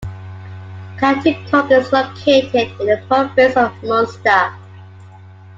County Cork is located in the province of Munster.